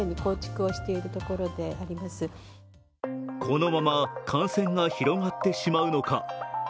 このまま感染が広がってしまうのか。